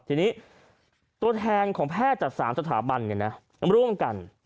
ทีนี้ตัวแทนของแพทย์จาก๓สถาบันร่วมกัน